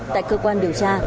tại cơ quan điều tra